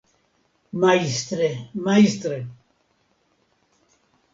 Majstre, majstre!